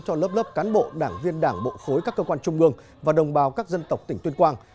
cho lớp lớp cán bộ đảng viên đảng bộ khối các cơ quan trung ương và đồng bào các dân tộc tỉnh tuyên quang